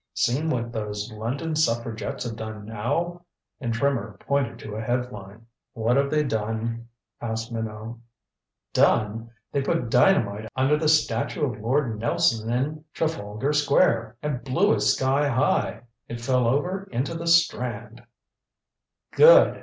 "Seen what those London suffragettes have done now?" And Trimmer pointed to a head line. "What have they done?" asked Minot. "Done? They put dynamite under the statue of Lord Nelson in Trafalgar Square and blew it sky high. It fell over into the Strand " "Good!"